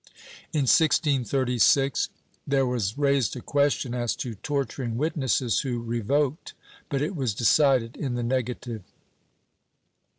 In 1636 there was raised a question as to torturing witnesses who revoked, but it was decided in the negative.